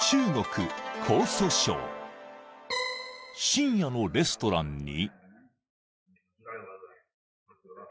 ［深夜のレストランに］